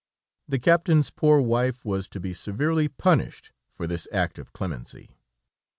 The captain's poor wife was to be severely punished for this act of clemency.